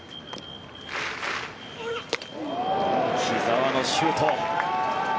木澤のシュート。